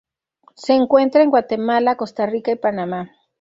Se encuentra en Guatemala, Costa Rica y Panamá.